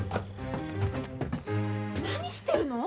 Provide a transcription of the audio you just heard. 何してるの？